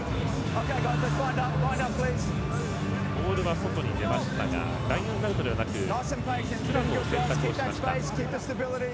ボールは外に出ましたがラインアウトではなくスクラムを選択しました。